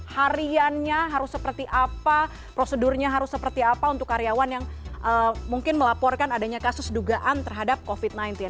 hariannya harus seperti apa prosedurnya harus seperti apa untuk karyawan yang mungkin melaporkan adanya kasus dugaan terhadap covid sembilan belas